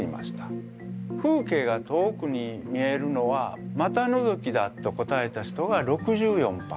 風景が遠くに見えるのは股のぞきだと答えた人が６４％。